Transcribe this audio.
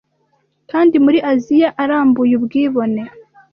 Kandi muri Aziya arambuye ubwibone